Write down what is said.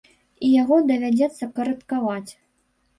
І яго давядзецца карэктаваць.